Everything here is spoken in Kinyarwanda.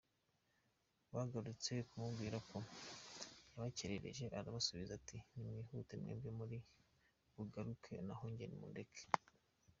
Bagarutse kumubwira ko yabakerereje arabasubiza ati “ Nimwihute mwebwe muri bugaruke naho njye mundeke.